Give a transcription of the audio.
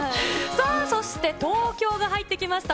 さあ、そして東京が入ってきました。